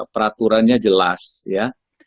peraturannya jelas ya